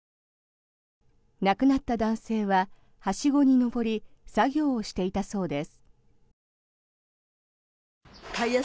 亡くなった男性は、はしごに上り作業をしていたそうです。